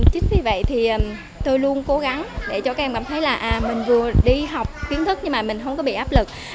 chính vì vậy thì tôi luôn cố gắng để cho các em cảm thấy là mình vừa đi học kiến thức nhưng mà mình không có bị áp lực